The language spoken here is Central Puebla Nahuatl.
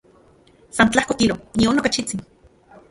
San tlajko kilo, nion okachitsin.